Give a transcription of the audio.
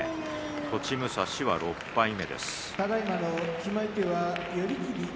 栃武蔵は６敗目です。